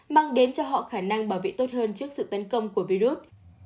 mang đến cho họ khả năng bảo vệ tốt hơn trước sự tấn công của virus